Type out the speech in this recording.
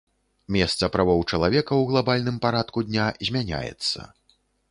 Месца правоў чалавека ў глабальным парадку дня змяняецца.